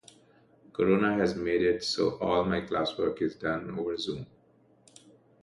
Corona has made it so all my classwork is done over Zoom.